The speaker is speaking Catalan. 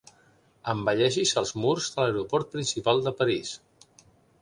Embelleixis els murs de l'aeroport principal de París.